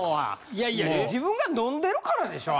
いやいや自分が飲んでるからでしょ？